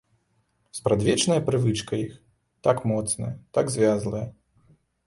Спрадвечная прывычка іх, так моцная, так звязлая!